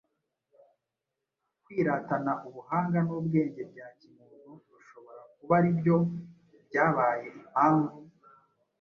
Kwiratana ubuhanga n’ubwenge bya kimuntu bishobora kuba ari byo byabaye impamvu